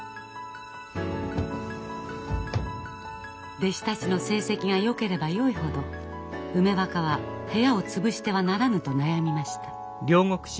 弟子たちの成績がよければよいほど梅若は部屋を潰してはならぬと悩みました。